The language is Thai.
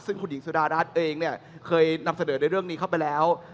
ซึ่งคุณหญิงสุดารัฐเองเนี่ยเคยนำเสนอในเรื่องนี้เข้าไปแล้ว